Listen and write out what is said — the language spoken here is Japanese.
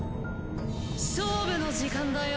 勝負の時間だよ。